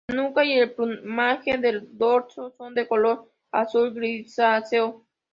La nuca y el plumaje del dorso son de color azul grisáceo.